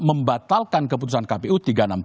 membatalkan keputusan kpu tiga ratus enam puluh